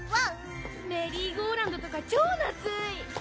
メリーゴーランドとか超なつい！